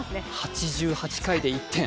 ８８回で１点。